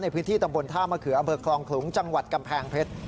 พื้นที่ตำบลท่ามะเขืออำเภอคลองขลุงจังหวัดกำแพงเพชร